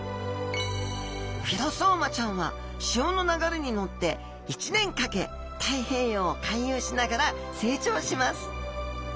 フィロソーマちゃんは潮の流れに乗って１年かけ太平洋を回遊しながら成長します。